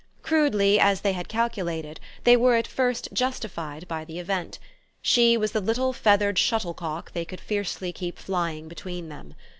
Crudely as they had calculated they were at first justified by the event: she was the little feathered shuttlecock they could fiercely keep flying between them.